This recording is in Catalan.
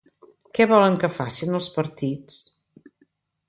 Què volen que facin els partits?